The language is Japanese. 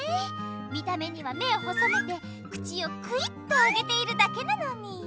見た目には目を細めて口をクイッと上げているだけなのに。